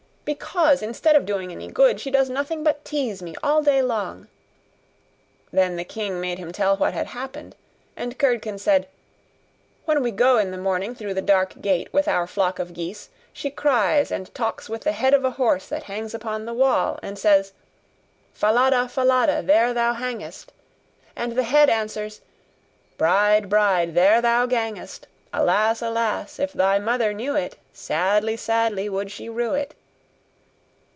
'Because, instead of doing any good, she does nothing but tease me all day long.' Then the king made him tell him what had happened. And Curdken said, 'When we go in the morning through the dark gate with our flock of geese, she cries and talks with the head of a horse that hangs upon the wall, and says: 'Falada, Falada, there thou hangest!' and the head answers: 'Bride, bride, there thou gangest! Alas! alas! if thy mother knew it, Sadly, sadly, would she rue it.